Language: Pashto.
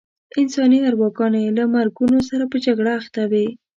انساني ارواګانې له مرګونو سره په جګړه اخته وې.